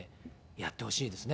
やってほしいですね。